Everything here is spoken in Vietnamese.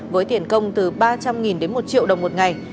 với tiền công từ ba trăm linh đến một triệu đồng một ngày